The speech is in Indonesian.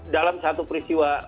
dalam satu peristiwa